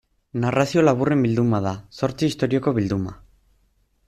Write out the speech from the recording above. Narrazio laburren bilduma da, zortzi istorioko bilduma.